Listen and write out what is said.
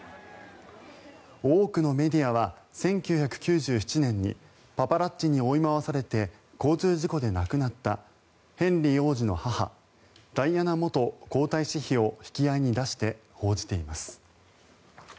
多くのメディアは１９９７年にパパラッチに追い回されて交通事故で亡くなったヘンリー王子の母ダイアナ元皇太子妃を引き合いに出して報じています。